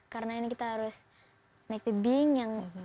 karena ini kita harus naik tebing yang kuat